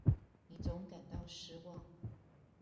你總感到失望